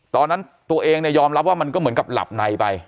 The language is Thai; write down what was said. ตอนนั้นตัวเองเนี่ยยอมรับว่ามันก็เหมือนกับหลับในไป